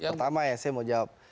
pertama ya saya mau jawab